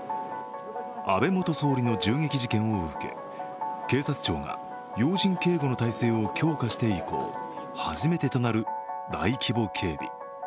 安倍元総理の銃撃事件を受け、警察庁が要人警護の体制を強化して以降、初めてとなる大規模警備。